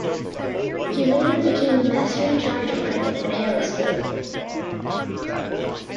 He later became the master in charge of cricket at Harrow School.